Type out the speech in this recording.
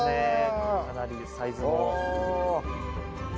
かなりサイズも。